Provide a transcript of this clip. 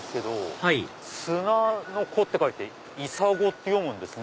はい砂の子って書いて砂子って読むんですね。